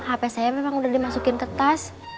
hp saya memang udah dimasukin ke tas